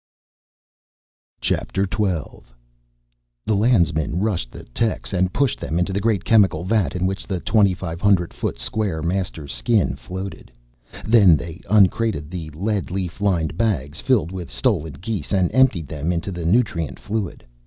XII The Landsmen rushed the techs and pushed them into the great chemical vat in which the twenty five hundred foot square Master Skin floated. Then they uncrated the lead leaf lined bags filled with stolen geese and emptied them into the nutrient fluid.